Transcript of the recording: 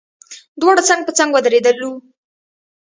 دواړه څنګ په څنګ ودرېدلو.